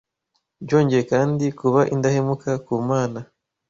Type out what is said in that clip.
Byongeye kandi, kuba indahemuka ku Mana